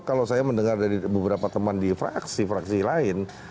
kalau saya mendengar dari beberapa teman di fraksi fraksi lain